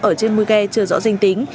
ở trên môi ghe chưa rõ danh tính